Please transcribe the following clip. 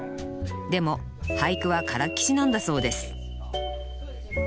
でも俳句はからっきしなんだそうです